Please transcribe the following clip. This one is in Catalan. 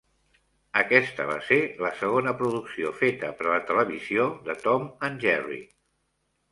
Aquesta va ser la segona producció feta per a la televisió de "Tom and Jerry".